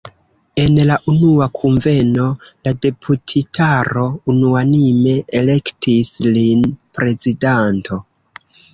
En la unua kunveno la deputitaro unuanime elektis lin prezidanto.